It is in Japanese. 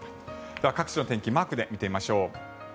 各地の天気をマークで見てみましょう。